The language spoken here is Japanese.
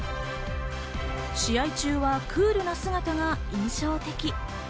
試合中はクールな姿が印象的。